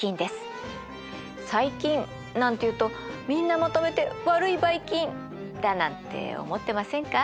「細菌」なんて言うとみんなまとめて悪いばい菌だなんて思ってませんか？